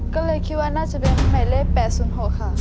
ก็เลยคิดว่าน่าจะเป็นหมายเลข๘๐๖ค่ะ